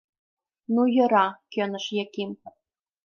— Ну, йӧра, — кӧныш Яким.